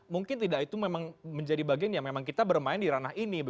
mungkin tidak itu memang menjadi bagian yang memang kita bermain di ranah ini